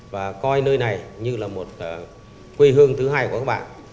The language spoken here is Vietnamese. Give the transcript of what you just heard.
và coi nơi này như là một quê hương thứ hai của các bạn